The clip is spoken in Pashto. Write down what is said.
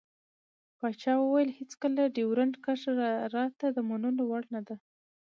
پاچا وويل هېڅکله ډيورند کرښه راته د منلو وړ نه دى.